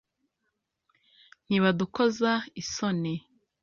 ntibadukoza isoni